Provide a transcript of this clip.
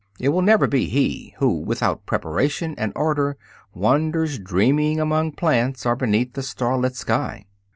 It will never be he who, without preparation and order, wanders dreaming among plants or beneath the starlit sky.